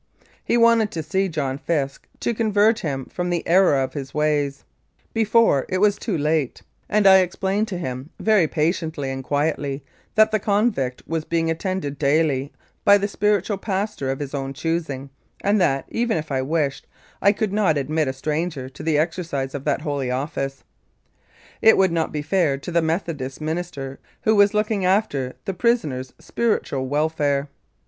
He wanted to see John Fisk to convert him from the error of his ways before it was too late, and I explained to him very patiently and quietly that the convict was being attended daily by the spiritual pastor of his own choosing, and that, even if I wished, I could not admit a stranger to the exercise of that holy office. It would not be fair to the Methodist minister who was looking after the prisoner's spiritual welfare.